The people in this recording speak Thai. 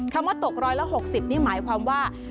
คำว่าตกรอยละ๖๐นี่หมายความว่า